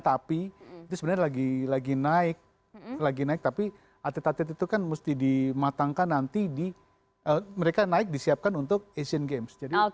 tapi itu sebenarnya lagi naik tapi atet atet itu kan mesti dimatangkan nanti di mereka naik disiapkan untuk sea games